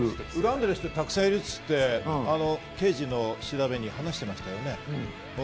恨んでる人、たくさんいるって刑事の調べに話してましたね。